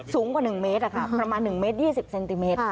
สูงกว่า๑เมตรประมาณ๑เมตร๒๐เซนติเมตร